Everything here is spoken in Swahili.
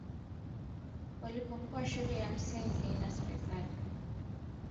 wanapokuwa shule ya msingi na sekondari kwa hivyo